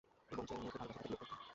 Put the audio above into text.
এবং যে মেয়েকে ভালবাসি তাকে বিয়ে করতে।